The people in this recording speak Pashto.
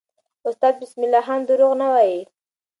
استاد بسم الله خان دروغ نه وایي.